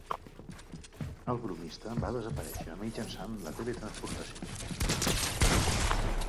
El bromista va desaparèixer mitjançant la teletransportació.